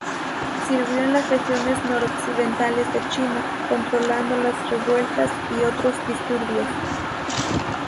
Sirvió en las regiones noroccidentales de China, controlando las revueltas y otros disturbios.